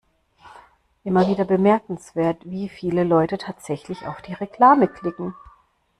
Immer wieder bemerkenswert, wie viele Leute tatsächlich auf die Reklame klicken.